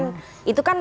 itu kan sebagai presiden